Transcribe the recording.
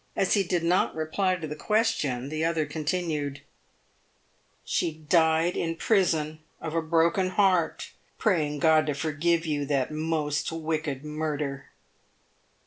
As he did not reply to the question, the other continued :" She died in prison, of a broken heart, praying God to forgive you that most wicked murder."